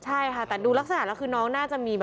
ใช่ค่ะแต่ดูลักษณะแล้วคือน้องน่าจะมี